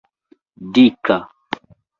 dika